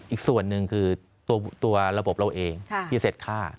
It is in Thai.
อีกส่วนหนึ่งคือตัวระบบเราเองที่เสร็จค่า